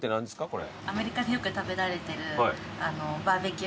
これ。